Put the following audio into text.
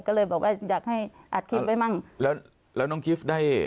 ก็เลยบอกว่าอยากให้อัดคลิปไว้มั่งแล้วแล้วน้องกิฟต์ได้